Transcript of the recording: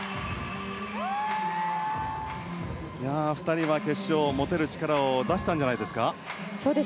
２人は決勝で持てる力を出したんじゃないですか。